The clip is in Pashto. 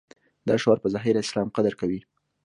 دا شعار په ظاهره اسلام قدر کوي.